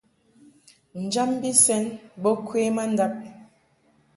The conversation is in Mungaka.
Njam bi sɛn bo kwe ma ndab.